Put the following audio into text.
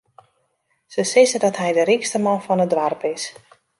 Se sizze dat hy de rykste man fan it doarp is.